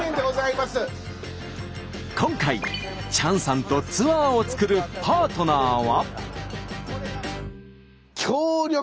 今回チャンさんとツアーを作るパートナーは。